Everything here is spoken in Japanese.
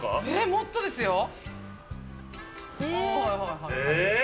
もっとですよ。え。え？